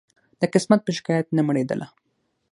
د قسمت په شکایت نه مړېدله